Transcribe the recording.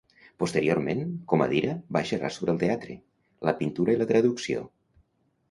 Posteriorment, Comadira va xerrar sobre el teatre, la pintura i la traducció.